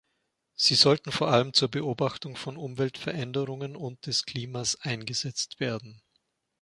Sie sollen vor allem zur Beobachtung von Umweltveränderungen und des Klimas eingesetzt werden.